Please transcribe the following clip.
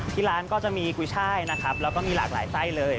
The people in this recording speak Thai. ที่ร้านก็จะมีกุยช่ายนะครับแล้วก็มีหลากหลายไส้เลย